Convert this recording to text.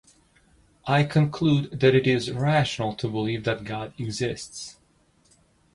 I conclude that it is rational to believe that God exists.